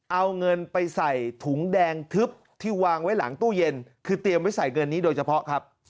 เอาเงินไปใส่ถุงแดงทึบที่วางไว้หลังตู้เย็นคือเตรียมไว้ใส่เงินนี้โดยเฉพาะครับ